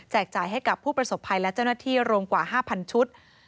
จ่ายให้กับผู้ประสบภัยและเจ้าหน้าที่รวมกว่า๕๐๐ชุด